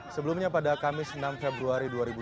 sebelumnya pada kamis enam februari dua ribu dua puluh